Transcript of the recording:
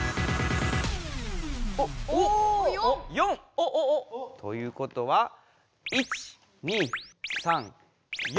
おっ４！ということは１２３４。